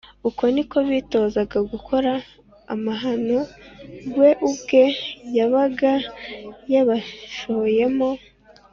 uko ni ko bitozaga gukora amahano we ubwe yabaga yabashoyemo